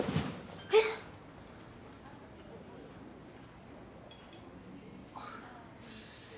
えっ？あっ。